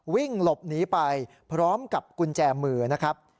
วิ่งหลบหนีไปพร้อมกับกุญแจมือนะครับ